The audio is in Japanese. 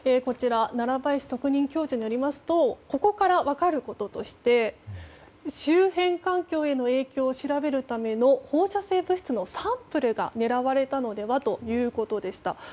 奈良林特任教授によりますとここから分かることとして周辺環境への影響を調べるための放射性物質のサンプルが狙われたのではということでした。